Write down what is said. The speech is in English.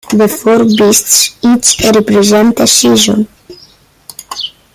The four beasts each represent a season.